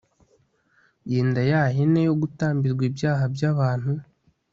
yenda ya hene yo gutambirwa ibyaha by abantu